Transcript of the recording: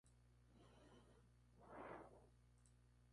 Suelen ser muy similares un ciclo al otro.